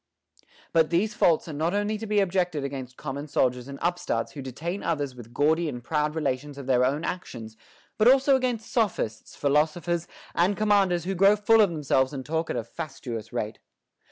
But these faults are not only to be objected against common soldiers and upstarts who detain others with gaudy and proud relations of their own actions, but also against sophists, philosophers, and commanders who grow full of themselves and talk at a fastuous rate.